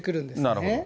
なるほど。